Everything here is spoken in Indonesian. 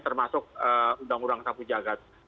termasuk undang undang sapu jagat